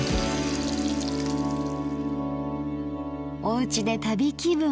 おうちで旅気分。